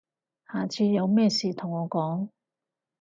下次有咩事同我講